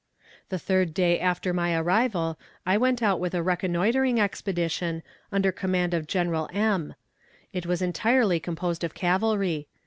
The third day after my arrival I went out with a reconnoitering expedition, under command of General M. It was entirely composed of cavalry.